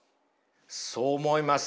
そう思います。